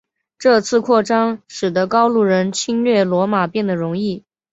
这次扩张使得高卢人侵略罗马变得容易。